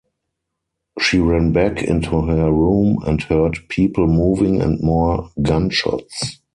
She ran back into her room and heard people moving and more gunshots.